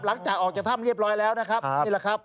หลังจากออกจากถ้ำเรียบร้อยแล้วนะครับนี่แหละครับ